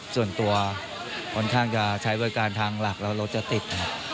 ส่วนตัวคนท่างจะใช้บริการทางหลักแล้วรถจะติด